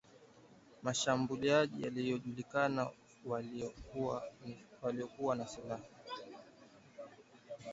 Washambuliaji wasiojulikana waliokuwa na silaha